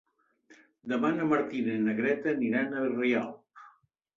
Demà na Martina i na Greta aniran a Rialp.